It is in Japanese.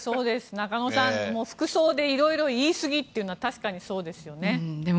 中野さん服装でいろいろ言いすぎというのは確かにそうですよね。